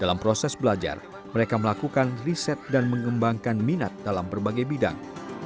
dalam proses belajar mereka melakukan riset dan mengembangkan minat dalam berbagai bidang